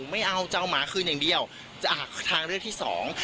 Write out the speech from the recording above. ไม่เอาจะเอาหมาคืนอย่างเดียวจากทางเลือกที่สอง